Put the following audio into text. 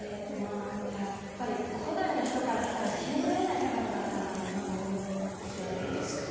やっぱり古代の人からしたら信じられない高さだったんだろうなと思って。